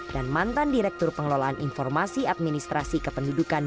dan mantan direktur pengelolaan informasi administrasi kependudukan